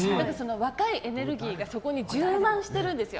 若いエネルギーがそこに充満してるんですよ。